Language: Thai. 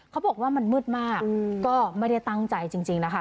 เขาบอกว่ามันมืดมากก็ไม่ได้ตั้งใจจริงนะคะ